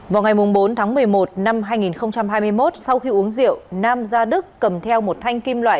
vào ngày bốn tháng một mươi một năm hai nghìn hai mươi một sau khi uống rượu nam ra đức cầm theo một thanh kim loại